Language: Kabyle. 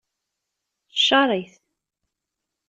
Ccaṛ-it.